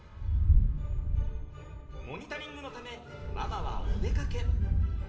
モニタリングのためママはお出かけ。